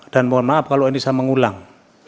dan mohon maaf kalau ini saya mengulang